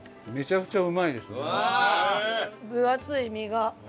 分厚い身が。